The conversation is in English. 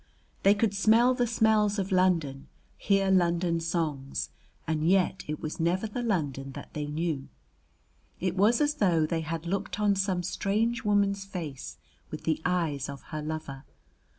They could smell the smells of London, hear London songs, and yet it was never the London that they knew; it was as though they had looked on some strange woman's face with the eyes of her lover.